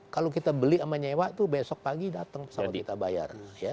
kalau kita beli sama nyewa itu besok pagi datang sama kita bayar